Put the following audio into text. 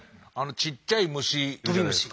ちっちゃい虫いるじゃないですか。